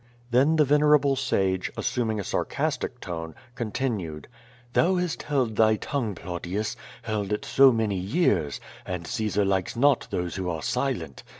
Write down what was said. Then the venerable sago, assuming a sarcastic tone, con tinued: "Thou hast held thy tongue, Plautius, held it so many years, and Caesar likes not those who are silent.